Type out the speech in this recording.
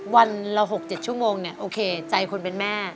วันละ๖๗ชั่วโมงเนี่ยโอเคใจคนเป็นแม่